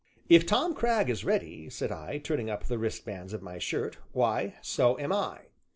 "If Tom Cragg is ready," said I, turning up the wristbands of my shirt, "why, so am I."